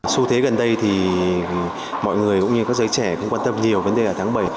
xu thế gần đây thì mọi người cũng như các giới trẻ cũng quan tâm nhiều vấn đề ở tháng bảy